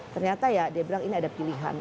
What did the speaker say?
ternyata ya dia bilang ini ada pilihan